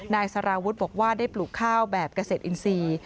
นายสารวุฒิบอกว่าได้ปลูกข้าวแบบเกษตรอินทรีย์